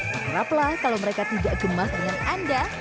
berharaplah kalau mereka tidak gemas dengan anda